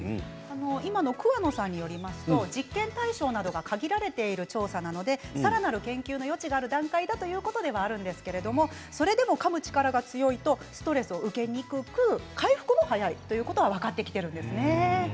今の桑野さんによると実験対象などが限られている調査なのでさらなる研究の余地がある段階だということはあるんですがそれでも、かむ力が強いとストレスを受けにくく回復も早いということが分かってきているんですね。